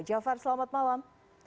jafar selamat malam